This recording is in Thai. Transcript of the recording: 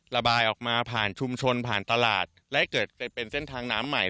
ระบายออกมาผ่านชุมชนผ่านตลาดและเกิดเป็นเส้นทางน้ำใหม่